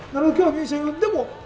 ミュージシャン要素。